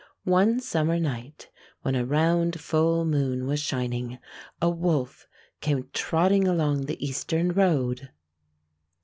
One summer night, when a round, full moon was shining, a wolf came trotting along the eastern road.